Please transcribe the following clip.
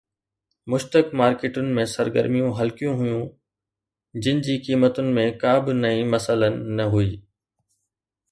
مشتق مارڪيٽن ۾ سرگرميون هلڪيون هيون جن جي قيمتن ۾ ڪا به نئين مسئلن نه هئي